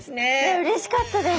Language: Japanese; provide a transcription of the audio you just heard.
うれしかったです。